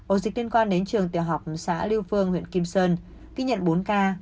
ổ dịch liên quan đến trường tiểu học xã liêu phương huyện kim sơn ghi nhận bốn ca